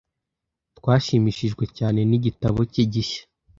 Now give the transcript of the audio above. Twashimishijwe cyane nigitabo cye gishya.